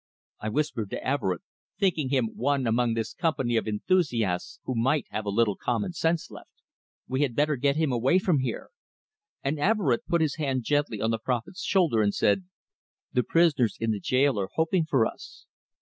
I whispered to Everett, thinking him one among this company of enthusiasts who might have a little common sense left. "We had better get him away from here!" And Everett put his hand gently on the prophet's shoulder, and said, "The prisoners in the jail are hoping for us."